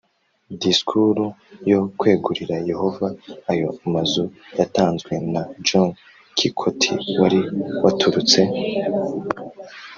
Disikuru yo kwegurira Yehova ayo mazu yatanzwe na John Kikot wari waturutse